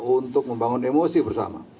untuk membangun emosi bersama